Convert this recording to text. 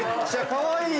かわいい！